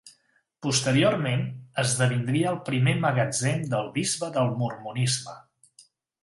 Posteriorment, esdevindria el primer magatzem del bisbe del mormonisme.